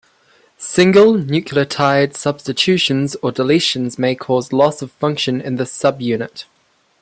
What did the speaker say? Single nucleotide substitutions or deletions may cause loss of function in the subunit.